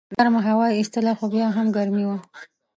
ګرمه هوا یې ایستله خو بیا هم ګرمي وه.